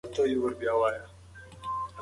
لویه ټولنپوهنه ټولنیز نظامونه ګوري.